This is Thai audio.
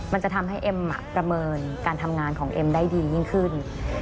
มันจะทำให้เอ็มประเมินการทำงานของเอ็มได้ดียิ่งขึ้น